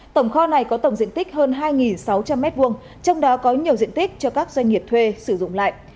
tổng kho này có tổng diện tích hơn hai sáu trăm linh m hai trong đó có nhiều diện tích cho các doanh nghiệp thuê sử dụng lại